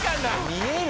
見える？